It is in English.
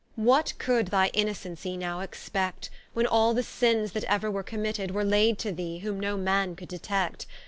What could thy Innocency now expect, When all the Sinnes that ever were committed, Were laid to thee, whom no man could detect?